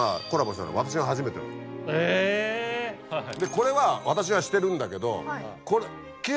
これは私がしてるんだけど。